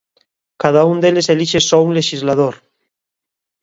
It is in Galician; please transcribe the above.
Cada un deles elixe só un lexislador.